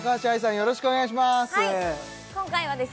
よろしくお願いします